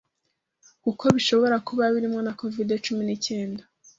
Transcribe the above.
kuko bishobora kuba birimo na Covid-cumi nicyenda